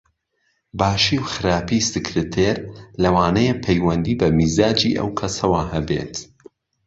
باشی و خراپی سکرتێر لەوانەیە پەیوەندی بە میزاجی ئەو کەسەوە هەبێت